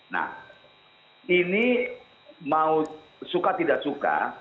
nah ini mau suka tidak suka